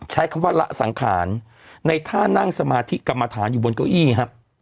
ใช้คำว่าละสังขารในท่านั่งสมาธิกรรมฐานอยู่บนเก้าอี้ครับ